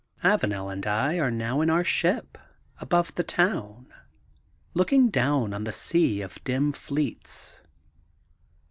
Avanel and I are now in our ship above the town, and looking down on the sea of dim fleets.